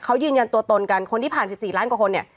เขายืนยันตัวตนกันคนที่ผ่าน๑๔ล้านกว่าคนเนี่ย